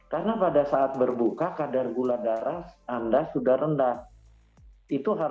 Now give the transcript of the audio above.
karena pada saat berbuka kadar gula darah anda sudah rendah